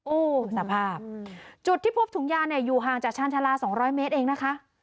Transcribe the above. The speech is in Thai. โอ้โหสภาพจุดที่พบถุงยาเนี่ยอยู่ห่างจากชาญชาลา๒๐๐เมตรเองนะคะ